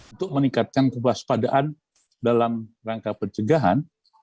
untuk meningkatkan kewaspadaan dalam rangka pencegahan